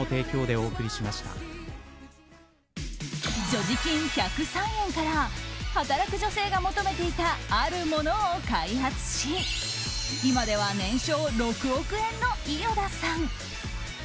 所持金１０３円から働く女性が求めていたあるものを開発し今では年商６億円の伊與田さん。